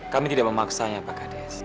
kami tidak memaksanya pak kades